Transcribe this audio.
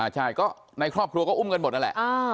ใช่ก็ในครอบครัวก็อุ้มกันหมดนั่นแหละ